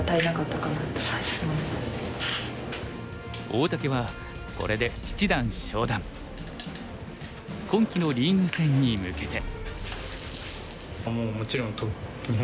大竹はこれで今期のリーグ戦に向けて。